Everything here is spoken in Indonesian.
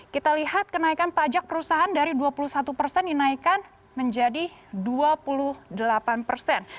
kita lihat kenaikan pajak perusahaan dari dua puluh satu persen dinaikkan menjadi dua puluh delapan persen